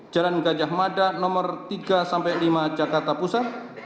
jalan gajah mada no tiga lima jakarta pusat